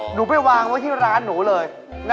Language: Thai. หนูไปวางไว้ที่ร้านหนูเลย